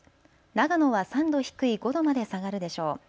長野は３度低い５度まで下がるでしょう。